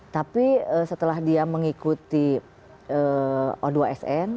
tapi setelah dia mengikuti o dua sn